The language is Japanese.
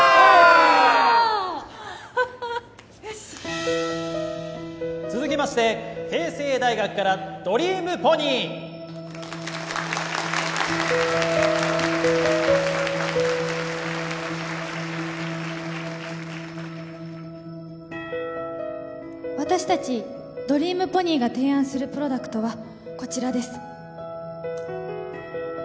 よしっ続きまして慶成大学からドリームポニー私達ドリームポニーが提案するプロダクトはこちらです